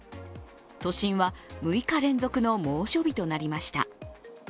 都心は６日連続の猛暑日となりました。